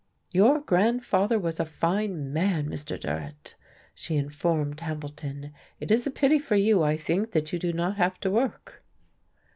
"Your grandfather was a fine man, Mr. Durrett," she informed Hambleton. "It is a pity for you, I think, that you do not have to work."